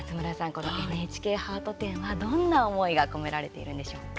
このＮＨＫハート展はどんな思いが込められているんでしょうか。